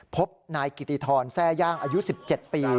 พบนายกิติธรแทร่ย่างอายุ๑๗ปี